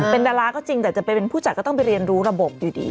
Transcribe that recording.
เป็นดาราก็จริงแต่จะไปเป็นผู้จัดก็ต้องไปเรียนรู้ระบบอยู่ดี